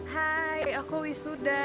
hai aku wisuda